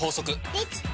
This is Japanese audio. できた！